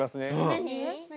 何？